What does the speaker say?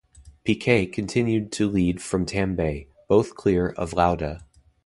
Piquet continued to lead from Tambay, both clear of Lauda.